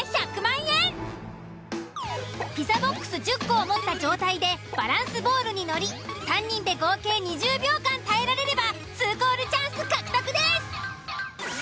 ピザボックス１０個を持った状態でバランスボールに乗り３人で合計２０秒間耐えられれば２コールチャンス獲得です。